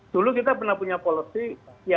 dulu kita pernah punya policy